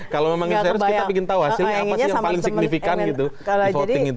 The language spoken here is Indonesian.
kalau memang serius kita ingin tahu hasilnya apa sih yang paling signifikan gitu di voting itu